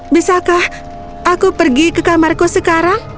bisakah aku pergi ke kamarku sekarang